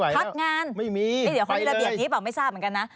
พักงานไม่มีเดี๋ยวเขามีระเบียบนี้เปล่าไม่ทราบเหมือนกันนะ